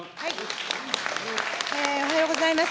おはようございます。